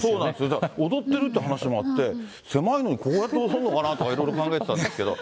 だから踊ってるっていう話もあって、狭いのにこうやって踊るのかなって、いろいろ考えてたんですけど。